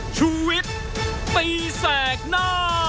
ชูเวทตีแสงหน้า